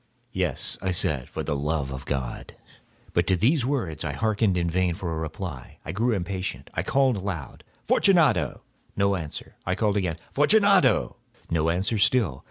"Yes," I said, "for the love of God!" But to these words I hearkened in vain for a reply. I grew impatient. I called aloud— "Fortunato!" No answer. I called again— "Fortunato!" No answer still.